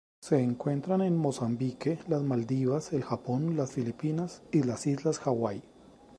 Se encuentran en Mozambique, las Maldivas, el Japón, las Filipinas y las islas Hawaii.